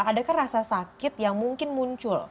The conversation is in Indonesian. adakah rasa sakit yang mungkin muncul